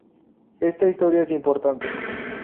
Esta historia es importante.